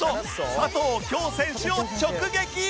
佐藤響選手を直撃！